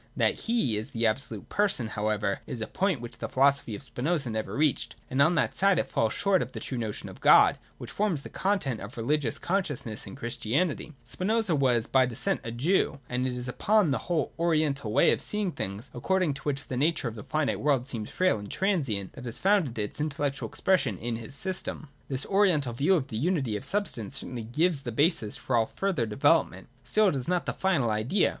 That He is the absolute Person however is a point which the philosophy of Spinoza never reached : and on that side it falls short of the true notion of God which forms the content of religious consciousness in Chris tianity. Spinoza was by descent a Jew ; and it is upon the whole the Oriental way of seeing things, according to which the nature of the finite world seems frail and transient, that has found its intellectual expression in his system. This 1 5 1. J SUBSTANCE AND ACCIDENTS. 275 Oriental view of the unity of substance certainly gives the basis for all real further development. Still it is not the final idea.